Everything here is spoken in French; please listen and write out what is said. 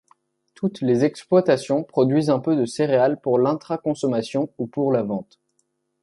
Toutes les exploitations produisent un peu de céréales pour l'intraconsommation ou pour la vente.